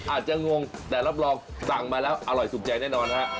งงแต่รับรองสั่งมาแล้วอร่อยถูกใจแน่นอนฮะ